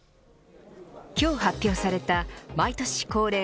今日発表された毎年恒例